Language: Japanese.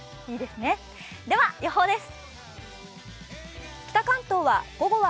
では予報です。